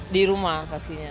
di rumah pastinya